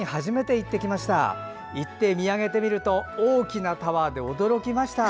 行って見上げてみると大きなタワーで驚きました。